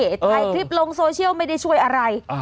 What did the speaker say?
ถ่ายคลิปลงโซเชียลไม่ได้ช่วยอะไร